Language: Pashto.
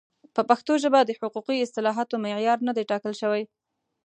په پښتو ژبه د حقوقي اصطلاحاتو معیار نه دی ټاکل شوی.